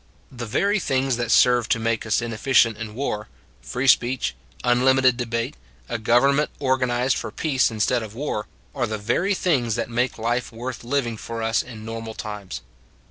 The very things that serve to make us inefficient in war free speech, unlimited debate, a government organized for peace instead of war are the very things that make life worth living for us in normal times.